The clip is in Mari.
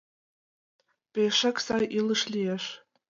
Пе-эшак сай илыш лиеш!